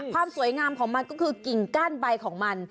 ความสวยงามของมันก็คือกิ่งก้านใบของมัน